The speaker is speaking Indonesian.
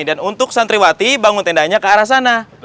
dan untuk santriwati bangun tendanya ke arah sana